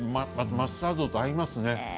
マスタードと合いますね。